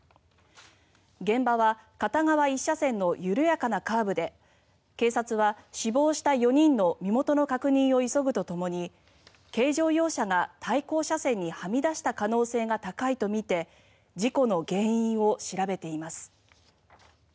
現場は片側１車線の緩やかなカーブで警察は死亡した４人の身元の確認を急ぐと共に軽乗用車が対向車線をはみ出した可能性が高いとみて事故の原因を調べています。